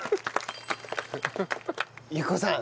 雪子さん。